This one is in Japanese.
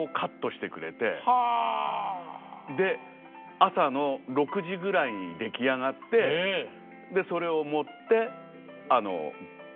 朝の６時ぐらいに出来上がってそれを持って劇場に向かった。